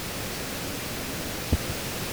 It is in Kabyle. Zemren ad qqimen da.